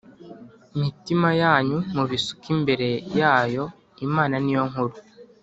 Mitima yanyu mubisuke imbere yayo imana ni yo nkuru